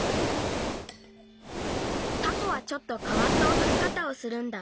タコはちょっとかわったおよぎかたをするんだ。